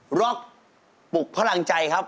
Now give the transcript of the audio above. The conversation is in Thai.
ล็อกปลุกพลังใจครับ